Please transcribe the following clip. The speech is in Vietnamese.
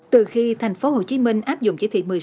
từ khi tp hcm áp dụng chỉ thị một mươi sáu